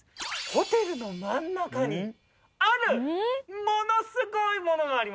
ホテルの真ん中にあるものすごいものがありました。